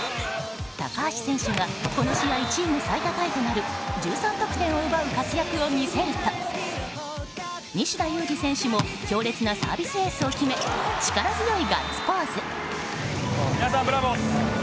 高橋選手がこの試合チーム最多タイとなる１３得点を奪う活躍を見せると西田有志選手も強烈なサービスエースを決め力強いガッツポーズ。